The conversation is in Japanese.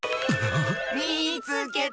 みつけた！